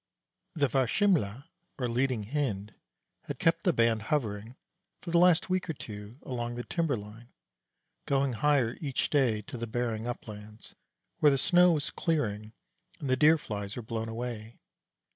The Varsimle', or leading Hind, had kept the band hovering, for the last week or two, along the timber line, going higher each day to the baring uplands, where the snow was clearing and the deer flies were blown away.